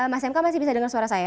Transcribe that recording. mas mk masih bisa dengar suara saya